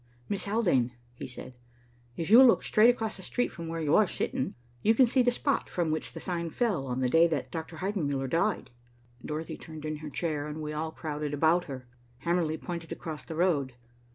"Miss Haldane," he said, "if you will look straight across the street from where you are sitting, you can see the spot from which the sign fell on the day that Dr. Heidenmuller died." Dorothy turned in her chair, and we all crowded about her. Hamerly pointed across the road.